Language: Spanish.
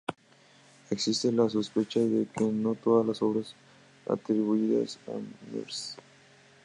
Existe la sospecha de que no todas las obras atribuidas a Mrs.